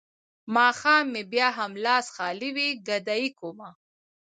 ماښام مې بيا هم لاس خالي وي ګدايي کومه.